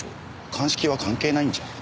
鑑識は関係ないんじゃ。